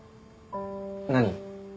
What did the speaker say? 何？